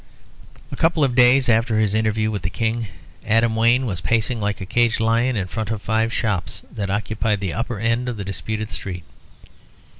A couple of days after his interview with the King, Adam Wayne was pacing like a caged lion in front of five shops that occupied the upper end of the disputed street.